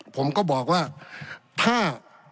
ผมก็บอกว่าถ้า